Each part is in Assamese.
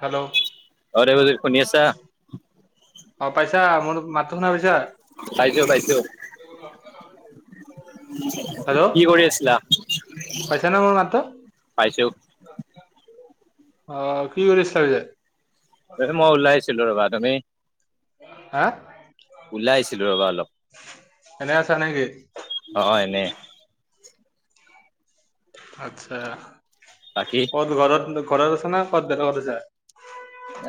হেল্ল' অই দেৱজিৎ শুনি আছা? অ পাইচা মোৰ মাতটো শুনা পাইচা? পাইছো পাইছো, কি কৰি আছিলা? পাইচা ন মোৰ মাতটো? পাইছো। আহ কি কৰিছিলা পিছে? এ মই ওলাইছিলো ৰবা তুমি? হা? ওলাই আহিছিলো ৰবা অলপ। এনেই আছা নেকি? অহ এনেই আচ্ছা, বাকী ক'ত ঘৰত, ঘৰত আছা না ক'ত বেলেগত আছা?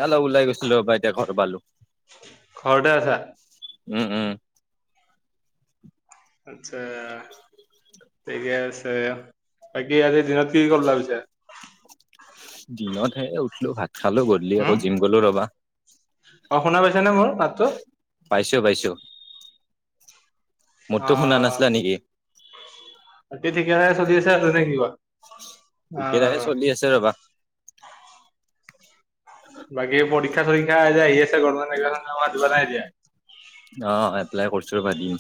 অলপ ওলাই ৰবা এতিয়া ঘৰ‌ সোমালোঁ। ঘৰতে আছা উম উম। আচ্ছা ঠিকে আছে, বাকী আজি দিনত কি কৰলা পিছে? দিনত হে উঠিলোঁ ভাত খালো, গধূলি আকৌ জিম গলো ৰবা অহ শুনা পাইছা নে মোৰ মাতটো পাইছো পাইছো, অ মোৰতো শুনা নাছিলা নেকি বাকী ঠিকে চলি আছা নে কিবা ঠিকেই ঠাকে চলি আছে ৰবা বাকী পৰীক্ষা চৰীক্ষা যে আহি আছে এই আমাৰ যিবা নাই এতিয়া [unintelligible] অ এপ্লাই কৰিছো প দিম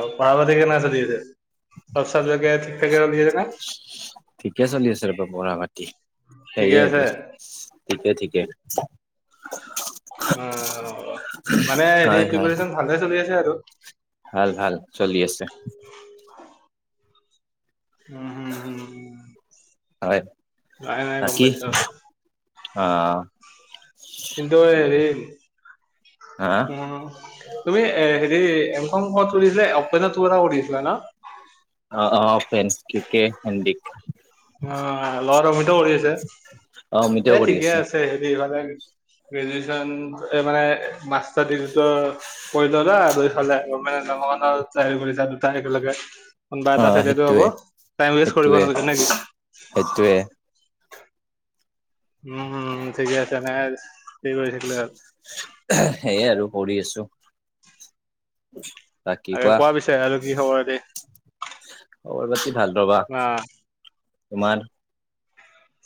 অ পঢ়া পাতি কেনেকা চলি আছে, চব চাবজেক্ট ঠিক থঠাকে চলি আছে না? ঠিকে চলি আছে ৰ'ব বুঢ়া মাটি ঠিকে সেইয়ে আছে আৰু ঠিকে ঠিকে অ মানে হেৰি হয় হয়। প্ৰিপচন ভালে চলি আছে আৰু ভাল ভাল চলি আছে। উম হম হম হয় নাই নাই গম পাইছোঁ আহ কিন্তু হেৰি হা অ তুমি এ হেৰি [unintelligible] অপেনত পৰা কৰি আছিলা ন? অ অ ফে কেণ্ন্দিিক অ ল'ৰাটো অমিত কৰি অ আছে মিতেও এ কৰি ঠিকে আছে হেৰিালে গ্ৰেজুৱেচন মানে মাষ্টাৰ ডিগ্ৰীটো কৰি ললা আৰু হলে মানে ন চৰি কৰিছা দুটা একেলগে কোনোবা অ এটা চাইডো আব সেইটোৱে টাইম ৱেষ্ট কৰিব সেইটোৱে নালাগে নেকি সেইটোৱে উম ঠিকে আছে নাই কি কৰি শিকিল সেইয়াই আৰু কৰিঢ আছো তাকে কোৱা পিছে আৰু কি খবৰ এ দি? খবৰ পাতি ভাল ৰবা, তোমাৰ?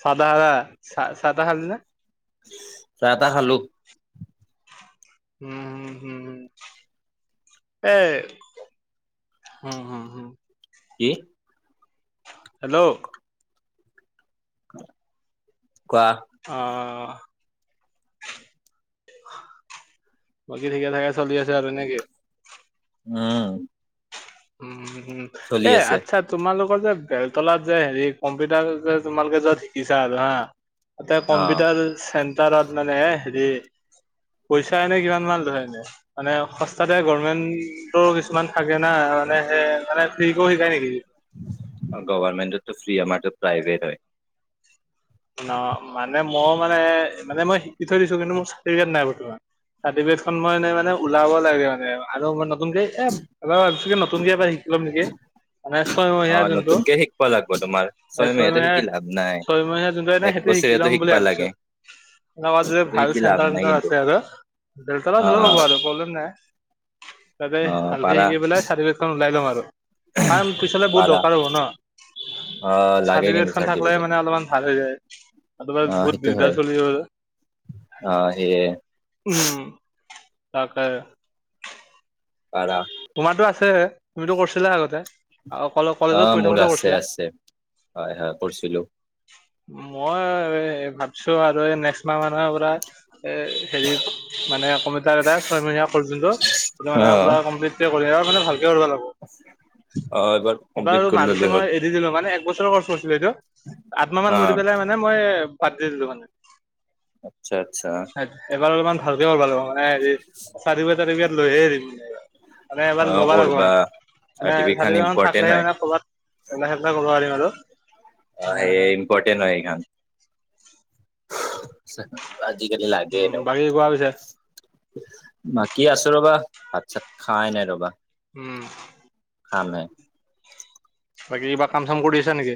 চদাহা চাদাাহাল ন চাহ তাহ খালো উম হম হম হম। এ হ হম হম কি? হেল্ল' [unintelligible] অ বাকী ঠিকে ঠাকে চলি আছে আৰু নেকি? উম উম হম চলি এ আছে আচ্ছা তোমালোক আৌ যে বেলতলাত যে হেৰি কম্পিউটাৰ যে তোমালোকে য'ত শিকিছা আৰু হা তাতে অ। কম্পিউটাৰ চেণ্টাৰত মানে হেৰি পইচা এনে কিমান মান লয় এনে, মানে সস্তাতে গভৰ্মেন্টৰ কিছুমান থাকে না। মানে সে মানে ফ্ৰি কৰি শিকায় নেকি? গভমেণ্ট ফ্ৰী আমাৰটো প্ৰাইভেট হয়। ন মানে মই মানে মানে মই শিকি থৈ দিছো কিন্তু মোৰ চাৰ্টিফিকেট নাই বৰ্তমান চাৰ্টিফিকেটখন মই এনে মানে ওলাব লাগে মানে আৰু অকণমান নতুনকে এ অলপ একচুৱেলি নতুনকে এবাৰ শিক লম নেকি? মানে অ ছয়মহীয়া যোনটো নতুনকে শিকিব লাগিব তোমাৰ। এই ছয় মাহেতো শিকি ছয়মহীয়া- লাভ নাই। ছয়মহীয়া যোনটো এনে এক সেইটো শিকি বছৰীয়াটো লম বুলি শিকবা ভাবছো। লাগে অ, যদি সেইটো ভাল শিকি লাভ চেণ্টাৰ নাই টেণ্টাৰ কিন্তু আছে আৰু বেলতলাত অ হলেও অ হ'ব আৰু প্ৰব্লেম নাই। তাতে অ ভালকে পাৰা। শিকি পেলাই চাৰি বিধখন ওলাই লম আৰু কাৰ পিছ পাৰা ন অ লাগে চাৰটিিকট কিন্তু খ থাক চাৰ্টিফিকেট মানে অলপমান ভাল হৈ যায় আ ত পাই অ বহুত সেইটো হয় বিদাৰ চলি অ সেয়ে উম তাকে পাৰ তোমাৰতো আছে তুমিতো কৰছিলা আগতে? কলে অ কলেজত পঢ়ি মোৰ থাকোতে আছে কৰিছিলা আছে হয় হয় কৰিছিলো মই ভাবিছোঁ আৰু নেক্সট মাহ মানৰ পৰা এ হেৰি মানে কম্পিউটাৰ এটা ছয় মীয়া কৰ যোনটো মানে অ', অপোনাৰ কৰি আৰু ভাল অ', এবাৰ এইবাৰ কমপ্লিট কৰি মাজতে ল'লে মই হ'ল এৰি দিলো মানে বছৰৰ কচ কৰিছিল এইটো আঠমাহ মান ধৰি অ', পেলাই মানে মই বাদ দি দো মানে আচ্ছা আচ্ছা। এবাৰ অলপমান ভালকে কৰিব লাগিব ন', হেৰি চাৰি বি চাৰি বিজাত লৈহে হৰিম। মানে আমাৰ অ', লৰা লাগোৱা কৰবা নাই মানে চাৰ্টিফিকেট খান চাৰিখন থাক ইম্পৰ্টেণ্ট লাহে হয় মানে ক'ৰবাত ওলাই সেেলা কৰিব পাৰিম আৰু অ' সেয়ে ইম্পৰ্টেণ্ট হয় খান আজি কি লাগে ন উম, বাকী কোৱা পিছে বাকী আছো ৰ'বা ভাত চাত খাই নাই ৰ'বা। উম খাম হে বাকী কিবা কাম চাম কৰি আছা নেকি?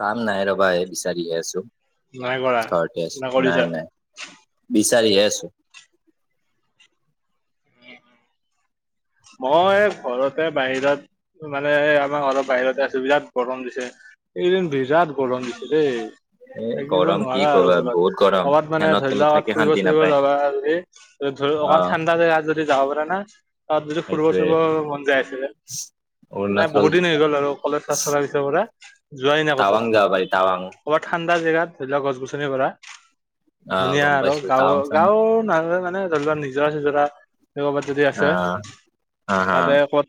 কাম নাই ৰবা এই বিচাৰি আছো নাই কৰা চঠ না কৰিছা? নাই নাই। চালি আছো। মই ঘৰতে বাহিৰত মানে আমাৰ ঘৰ বাহিৰতে আছো বিৰাট গৰম দিছে এইদিন বিৰাট গৰম দিছে দেই। এ থাকিব গৰম কি নোৱাৰা আৰু ক'বা বহুত ঘৰত গৰম ক'ৰবাত মানে ফেনৰ ধৰি তলত লোৱা থাকি ফুৰিব শান্তি চুৰিব নাপায় যাবা ধ অকমান অ', ঠাণ্ডা জেগাত যদি যাব পাৰে না তাত যদি ফুৰিব সেইটোৱে ফুৰিব মন যায় আছিলে নাই অৰুণাচল বহুত দিন হৈ গ'ল আৰু কলেজ চাছ চলাৰ পিছৰ পৰা যোৱাই নাই ক'তো টাৱাং যাব পাৰি টাৱাং ক'ৰবাত ঠাণ্ডা জেগাত ধৰি লোৱা গছ গছনি কৰা। অ', ধুনীয়া গম আৰু পাইছো টাৱাং গাঁৱৰ চাং গাঁৱৰ নলে মানে ধৰি নিজৰা চজৰা কৰ'বাত যদি আছে অ', হা হা তাতে ক'বাত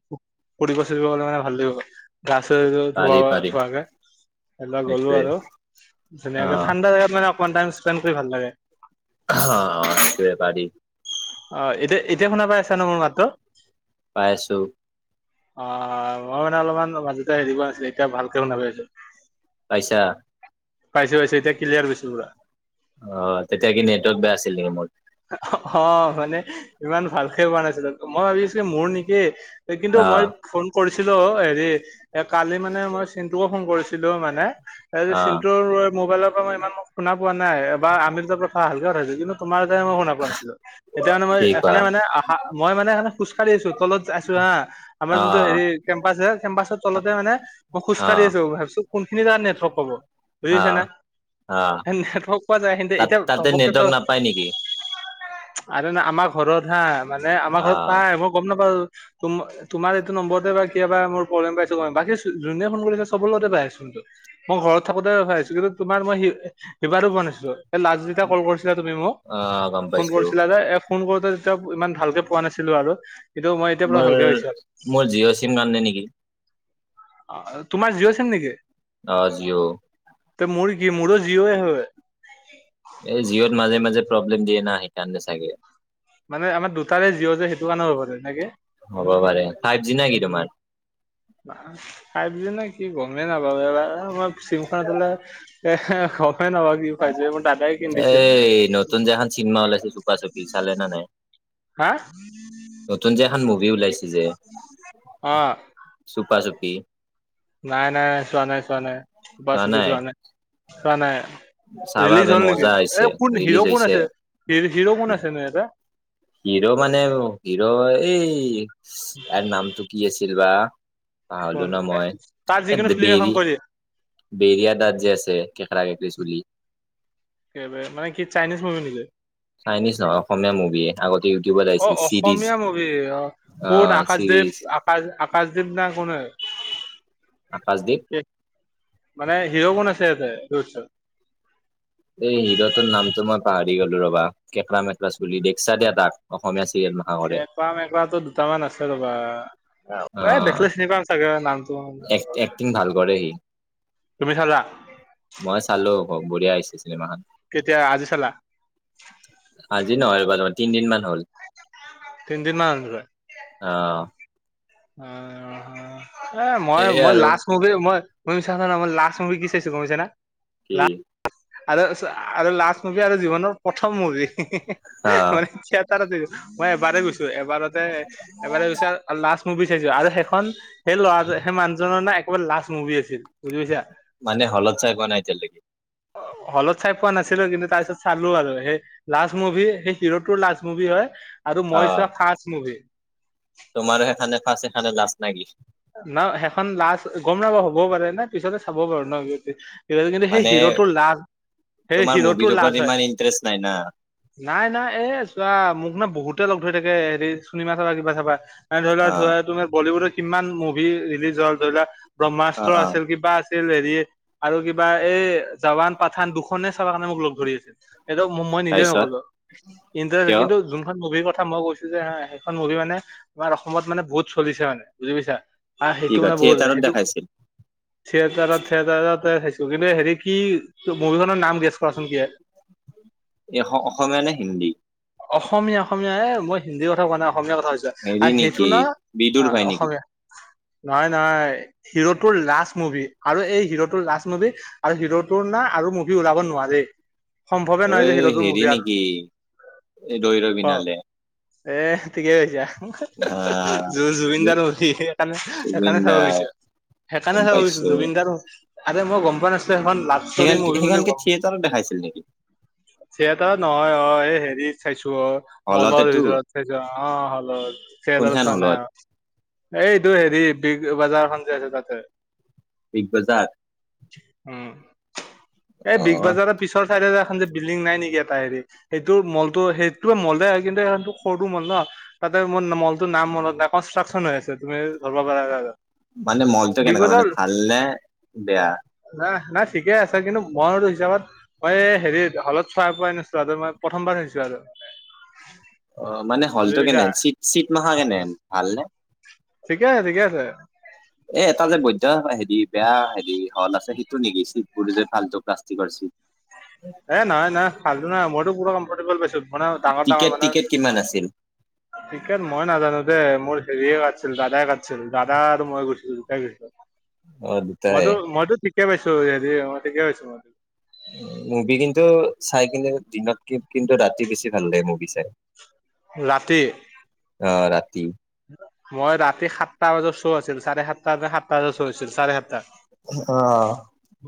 ফুৰিব ফুৰিব গলে মানে ভাল লাগিব। [inaudible] ধোৱা পাৰি পাৰি ধোৱা গে স গ'লো সেইটোৱে আৰু অ ধুনীয়াকে ঠাণ্ডা জোগাত মানে অকমান টাই স্পেড কৰি ভাল লাগে। অহ বেপাৰী অ', এতিয়া এতিয়া শুনা পাই আছা ন মোৰ মাতটো। পাইছোঁ। অ মই মানে অলপমান মাজতে হেৰিিব নাছিলো এতিয়া ভালকে শুনাবি আছো পাইছা পাইছে পাইছো এতিয়া ক্লিয়াৰ হৈছে পুৰা। অ', তেতিয়া কি নেটৱৰ্ক বেয়া আছিল নেকি মোৰ। অ', মানে ইমান ভালকে পোৱা নাছিলো মই ভাবিছো কি মোৰ নেকি কিন্তু অ মই ফোন কৰিছিলো হেৰি। এ কালি মানে মই চিনটুকো ফোন কৰিছিলো মানে এ অ চিনটোুৰ মোবাইলত ই ইমান শুনা পোৱা নাই বা আমিৰজাপ খ ভালকে ৰা হৈছে কিন্তু তোমাৰ মই শুনা পোৱা নাছিলো এতিয়া মানে মই কি কোৱা এখে মানে আহা মই মানে এ খোজকাঢ়ি আছো তত আছো হা। আমাৰ অ যোনটো হেৰি কেম্পাচ যে কেম্পাচৰ তলতে মানে ম অ খোজকাঢ়ি আছো ভাবছো কোনখিনি ত নেটৰ্ক ক'ব অ বুজিচেনে অ নেটৱৰ্ক পোৱা জেগা খিনি তাত এতিয়া তাতে ঘপকে টো নেটৱৰ্ক নাপায় নেকি আৰে ন আমাৰ ঘৰত হা মানে আমাৰ অ ঘৰত পায় মই গম নাপা তম তুমাৰ এইটো নম্বৰতে বা কিবাবা মোৰ প্ৰব্লেম পাইছো বাকী যোনে ফোন কৰিলে চব লগতে পাইছচোন। মই ঘৰত থাকোতে ভাবিছো কিন্তু তোমাৰ মইি শিবাৰো বনাইছিলো এই লাজজীতে কল কৰিছিলা তুমি মোক অ গম ফোন পাইছো কৰিছিলা যে এ ফোন কৰোতে তেতিয়া ইমান ভালকে পোৱা নাছিলো আৰু কিন্তু মই এতিয়া পুৰা মোৰ ভালকে হৈছে মোৰ জিঅ' চিম কাৰানে নেকি। অ' তোমাৰ জিঅ' চিম নেকি। অ', জিঅ'। তে মোৰ কি মোৰো জিঅ এ হয়। এই জিঅ'ত মাজে-মাজে প্ৰব্লেম দিয়ে না সেইকাৰণে চাগে। মানে আমাৰ দুটাৰে জিঅ' যে সেইটো কাৰণে হ'ব পাৰে নেকি। হ'ব পাৰে ফাইভ জি না কি উম তোমাৰ। [unintelligible] নেকি গমেই নাপাও এইবাৰ মই চিমখন আছিলে এ হ হয় [unintelligible] কি খুৱাইছে মোৰ দাদাই কিনি দিছিল। এই নতুন যে এখন চিনেমা ওলাইছে চুপা চুপি চালে না নাই। হা নতুন যে এখান মুভি ওলাইছে। যে অ'। চুপা চুপি। নাই নাই- নাই চোৱা নাই- চোৱা নাই, চুপা চুপি চোৱা নাই- চোৱা নাই। চাবা ৰিলিজ বে হ'ল নেকি মজা হৈছে এই কোন ৰিলিজ হিৰ' কোন হৈছে আছে হিৰ' কোন আছে নু ইয়াতে। হিৰো মানে হিৰো এই তাৰ নামটো কি আছিল বা। হ'লো কোন ন এ মই তাৰ এ যিকোনো ফিল্ম এখন বেৰি কৰি বেৰিয়া দাত যে আছে। কেকৰা কেকৰি চুলি কে মানে কি চাইনিজ মুভি নিকি। চাইনিজ নহয় অসমীয়া মুভিয়ে আগত অ' অসমীয়া মুভি অ' কোন আকাশদ্বীপ আকাশ আকাশদ্বীপ না কোনে। আকাশদ্বীপ মানে হিৰ' কোন আছ [unintelligible] এই হিৰ' টোৰ নামটো মই পাহৰি গ'লো ৰ'বা কেকৰা মেকৰা চুলি দেখছা দিয়া তাক, অসমীয়া চিৰিয়েল মাখা কৰে কেক্ৰা মেক্ৰাটো দুটামান আছে ৰ'বা। অ দেখিলে চিনি পাম চাগে নামটো। [unintelligible] কৰেহি। তুমি চালা। মই চালো আকৌ বঢ়িয়া আহিছে। কেতিয়া আজি চালা? [unintelligible] আজি নহয় [unintelligible] তিনদিন মান হ'ল। তিনিদিন মান [unintelligible] অ অ' এ মই- সেয়ে মই আৰু লাষ্ট মুভি মই [unintelligible] লাষ্ট মভি কি চাইছো গম পাইছা না। কি। আৰু-আৰু লাষ্ট মুভি আৰু জীৱনৰ প্ৰথম মুভি। আহ মানে থিয়েটাৰটো মই এবাৰে গৈছো এবাৰতে এবাৰে গৈছে আৰু লাষ্ট মুভি চাইছো আৰু সেইখন সেই ল'ৰা সেই মানুহজনৰ না একেবাৰে লাষ্ট মুভি আছিল বুজি পাইছা। মানে হলত চাই পোৱা নাই এতিয়ালৈ। হলত চাই পোৱা নাছিলো কিন্তু তাৰ পিছত চালো আৰু সেই লাষ্ট মুভি সেই হিৰোটোৰ লাষ্ট মুভি হয়। আৰু মই আহ চোৱা ফাৰ্ষ্ট মুভি। তোমাৰো সেইখনে ফাৰ্ষ্ট সেইখনে লাষ্ট নেকি। ন সেইখন লাষ্ট গম নাপাও হ'বও পাৰে না পিছতে চাব পাৰো ন [unintelligible] [unintelligible] কিন্তু সেই মানে হিৰোটোৰ লাজ সেই তোমাৰ মুভিৰ হিৰোটোৰ লাজ ওপৰত হয়। ইমান ইন্টাৰেষ্ট নাই না নাই-নাই এ চোৱা মোক ন বহুত তে লগ ধৰি থাকে হেৰি চিনেমা চাবা কিবা চাবা ন ধৰি লোৱা অ ধ তুমি বলীউডৰ কিমান মোভি ৰিলিজ হ'ল ধৰি লোৱা অ ব্ৰহ্মাস্ত্ৰ অ আছিল কিবা আছিল [unintelligible] হেৰি আৰু কিবা এই জাৱান পাঠান দুখনে চাব কাৰণে মোক লগ ধৰি আছিল। এইটো মই নিজে তাৰপিছত নগ'লো ইণ্টাৰেত হয় কিয় কিন্তু যোনখন মুভি কথা মই কৈছো যে হা সেইখন মুভি মানে আমাৰ অসমত মানে বহুত চলিছে মানে বুজি পাইছা। আ কি সেইটো ক মানে বহুত, থিয়েটাৰত সেইটো দেখাইছিল থিয়েটাৰত- থিয়েটাৰত চাইছো কিন্তু হেৰি কি মুভি খনৰ নাম গেছ কৰাচোন কি হয়। এই অসমীয়া নে হিন্দী অসমীয়া অসমীয়া এ মই হিন্দী কথা কোৱা নাই। অসমীয়া কথাছ হেৰি আৰু সেইটো নেকি ন বিদুৰ আহ ভাই নেকি অসমীয়া নহয় নহয় হিৰোটোৰ লষ্ট মুভি আৰু এই হিৰোটোৰ লষ্ট মুভি আৰু হিৰোটোৰ আৰু মুভি ওলাব নোৱাৰি সম্ভৱে নহয় যে হিৰোটোৰ মুভি আৰু ৰই ৰ বি অ নালে এ ঠিকেই কৈছা জুবিনদাৰ নলি সেইেইকাৰণে, জুবিন সেইকাৰণে চাব দাই বিছো গম সেইকাৰণে চাবুছো পাইছো জুবিন গাৰ আৰে মই গম পোৱা নাছিলো, এখন সেইখন লাভষ্ট মুভি বুলি সেইখনকে কম থিয়েটাৰত দেখাইছিল নেকি থিয়েটাৰ নহয় অ' হে চাইছো মলৰ হলতেতো ভিতৰত খাইছ অ' হলত চাল কোনখন চ হলত ন' এইটো হেৰি বিগ বজাৰখনন যে আছে তাতে, বিগ বজাৰ উম এই বিগ অ বাজাৰৰ পিছৰ চাইডে খন যে বিল্ডিং নাই নেকি এটা হেৰি সেইটো মলটো সেইটোে মলই হয় কিন্তু এটো সৰুটো মল ন' তাতে মোৰ মলটো নাম মনত নাই কনষ্ট্ৰাকশচন হৈ আছে তুমি ধৰিব পাৰা মানে মলটো বিগ কেনেকুৱা মানে বজাৰ ভাল নে বেয়া, নাই নাই ঠিকে আছে কিন্তু মইো হিচাপত মই হেৰি হলত চাই পাই নছো আৰু মই প্ৰথমবাৰ থৈছো আৰু হয়। অ' মানে হলতটো কেনেন চিট চিট মাখা কেনেন ভালনে? ঠিকে আছে ঠিকে আছে। এ এটা যে বৈধ হেৰি বেয়া হেৰি হল আছে সেইটো নেকি চিটবোৰ যে ফাল্টু প্লাষ্টিকৰ চিট, এ নাই নাই ভাল নাই মইতো পুৰা কমফৰ্টেবল বেছি, মানে ডাঙৰ টিকেট ডাঙৰ মানে টিকেট কিমান আছিল? ক্ৰিকেট মই নাজানো, মোৰ হেৰিয়ে কাছিল দাদাই কাছিল দাদা আৰু মই গৈছিলো দুটাই গৈছিল, অদ তাই কেছো দদি আমাৰ কেছ মম, মুভি কিন্তু চাই কিন্তু দিনত কিন্তু ৰাতি বেছি ভাল লাগে মুভি চাই, ৰাতি, অ', ৰাতি মই ৰাতি সাতটা বজাত শ্ব' আছিল চাৰে সাতটাাৰ ন সাতটা বজাত শ্ব' আছিল চাৰে সাতটা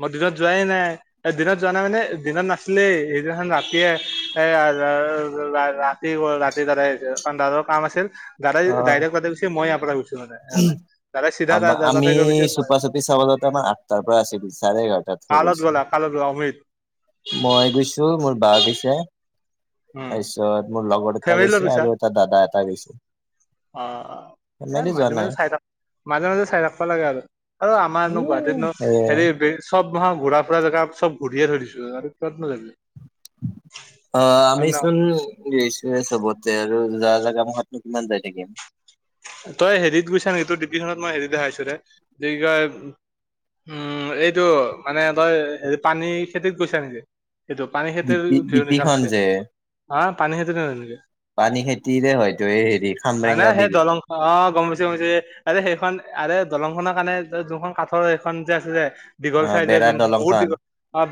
মই দিনত যোৱাই নাই, দিনত যোৱা নাই মানে দিনত নাছিলেই সেইদিনাখন ৰাতিয়ে এৰাৰ ৰা-ৰাতি ৰাতি দাৰাই দাদাৰ কাম আছিল, দাদাই অ। ডাইৰেক্ট তাতে গৈছে মই ইয়াৰ পৰা গৈছোঁ মানে এনে দাদাই চিধা আমাৰ আমি তাতে গৈছে মই চুপা চুপি চাব যাওঁতে আমাৰ আঠটাৰ পৰা আছিল চাৰে এঘাৰটাতহে কাৰ লগত গৈছো। গ'লা? কাৰ লগত গ'লা? অময়িত। মই গৈছোঁ, মোৰ বা গৈছে। উম তাৰিছত মোৰ লগৰ এটা ফেমিলি লগত গৈছে গৈছা আৰু এটা দাদা এটা গৈছে। অ ইয়াত ফেমেলি যোৱা মাজে নাই মাজে চাই থাকো মাজে মাজে চাই থাকপা লাগে আৰু আৰু আমাৰনো গুৱাহাটীতনো এ হেৰি চব মহা ঘূৰা-ফুৰা জেগা চব ঘূৰিয়ে থৈ দিছোঁ আৰু ক'ত নো যাবি। অ', হয় ন আমিচোন গেছোএ চবতে। আৰু যা জাগা মখাতনো কিমান যায় থাকিম। তই হেৰিত গৈছা নেকি ডিপিখনত মই হেৰি দেখা আইছো ৰে [unintelligible] উম, এইটো মানে তই হেৰি পানীখাইটীত গৈছা নেকি? কিটো পানীখাইটীৰ ডিপি ভিউৰ নিচনা ডিপিখন লাগছে। যে অ পানী খেইটো ন তেনেকে পানী খেতিৰে হয়তো এই হেৰি হয় না খামৰেংগা সেই বিল দলং খ অ', গম পাইছো গম পাইছো আৰে সেইখন আৰে দলংখনৰ কাৰণে যোনখন কাঠৰ সেইখন যে আছে যে দীঘল অ চাই যে বেৰা যোন বহুত দলংখন দীঘল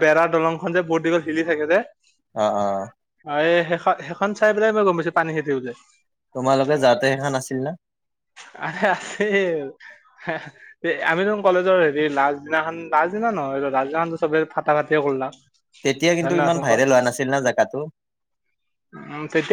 বেৰা দলংখন যে বহুত দীঘল হিলি থাকে যে। অ অ অ', এই সেইখন সেইখন চাই পেলাই মই গমা পাইছোঁ পানীখাইটী বুলি। তোমালোকে যাওঁতে সেইখান আছিল না? আ-আছে আমি দেখোন কলেজৰ হেৰি লাছদিনাখন, লাছদিনা নহয়, লাছদিনাখনটো চবে ফটা ফাটিয়ে কৰলাক। তেতিয়া হয় নে কিন্তু নহয় ইমান চুমকা? ভাইৰেল হোৱা নাছিল না জেগাটো। উম, তেতিয়া